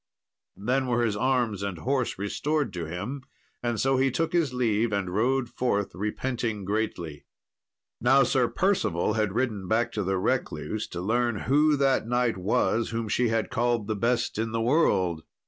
Then were his arms and horse restored to him, and so he took his leave, and rode forth, repenting greatly. Now Sir Percival had ridden back to the recluse, to learn who that knight was whom she had called the best in the world.